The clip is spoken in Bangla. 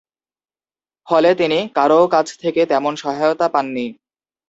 ফলে তিনি কারও কাছ থেকে তেমন সহায়তা পাননি।